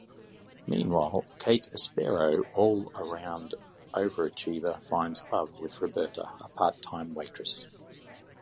Meanwhile, Kate Aspero, all-around overachiever, finds love with Roberta, a part-time waitress.